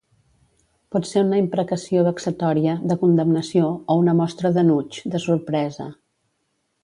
Pot ser una imprecació vexatòria, de condemnació, o una mostra d'enuig, de sorpresa.